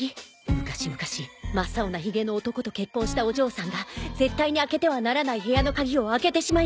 昔々真っ青なひげの男と結婚したお嬢さんが絶対に開けてはならない部屋の鍵を開けてしまいました。